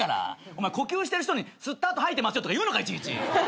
お前呼吸してる人に吸った後吐いてますよとか言うのかいちいち。